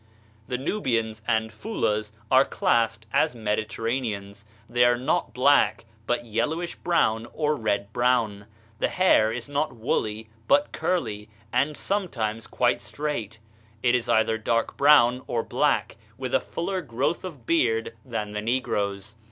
The Nubians and Foolahs are classed as Mediterraneans. They are not black, but yellowish brown, or red brown. The hair is not woolly but curly, and sometimes quite straight; it is either dark brown or black, with a fuller growth of beard than the negroes.